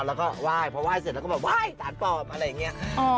แล้วก็ไหว้พอไหว้เสร็จแล้วก็แบบไหว้สารปอบอะไรอย่างนี้